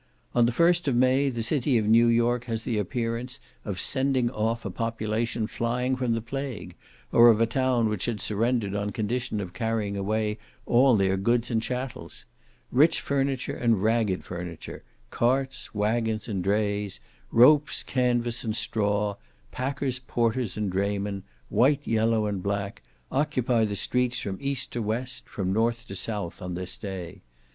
On the 1st of May the city of New York has the appearance of sending off a population flying from the plague, or of a town which had surrendered on condition of carrying away all their goods and chattels. Rich furniture and ragged furniture, carts, waggons, and drays, ropes, canvas, and straw, packers, porters, and draymen, white, yellow, and black, occupy the streets from east to west, from north to south, on this day.